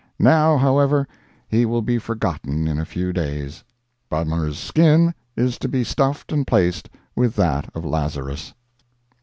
Now, however, he will be forgotten in a few days. Bummer's skin is to be stuffed and placed with that of Lazarus."